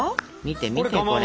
見て見てこれ。